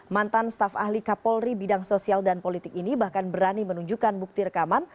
mantan staf ahli kapolri bidang sosial dan politik ini bahkan berani menunjukkan bukti rekaman